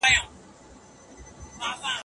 کنګل کول د بکتریاوو وده کموي.